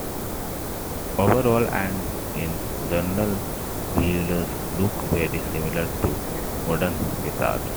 Overall and in general, vihuelas looked very similar to modern guitars.